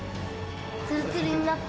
つるつるになった！